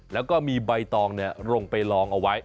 แล้วก็มีใบตองลงไปลองเอาไว้